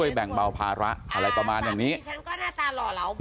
คุณพี่ก็บอกว่าเหมือนบางเรื่องแต่บางเรื่องก็ยังไม่ได้พิสูจน์